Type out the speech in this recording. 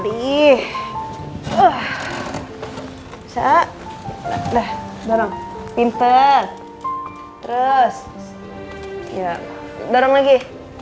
udah dorong pinter terus dorong lagi